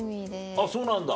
あっそうなんだ。